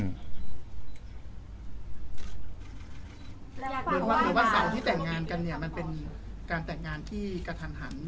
หรือว่าเสาร์ที่แต่งงานกันเนี่ยมันเป็นการแต่งงานที่กระทันหัน